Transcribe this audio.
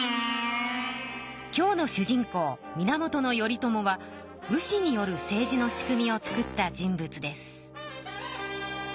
今日の主人公源頼朝は武士による政治の仕組みをつくった人物です。